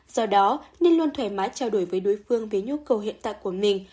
do đó nên luôn thoải mái trao đổi với đối phương về nhu cầu hiện tại của mình